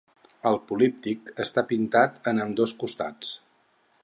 El políptic està pintat en ambdós costats.